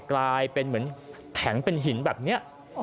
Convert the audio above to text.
กลายจะเป็นเหมือนแถนหินแบบนี้